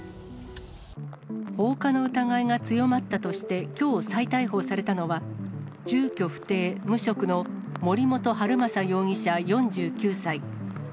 放火の疑いが強まったとして、きょう再逮捕されたのは、住居不定、無職の森本晴政容疑者４９歳。